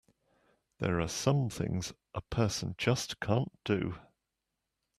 There are some things a person just can't do!